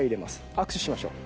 握手しましょう。